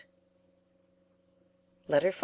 LETTER V.